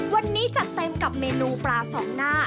วันนี้จัดเต็มกับเมนูปลาสองหน้า